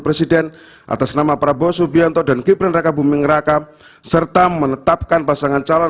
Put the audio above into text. presiden atas nama prabowo subianto dan gibran raka buming raka serta menetapkan pasangan calon